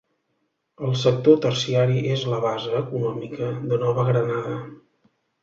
El sector terciari és la base econòmica de Nova Granada.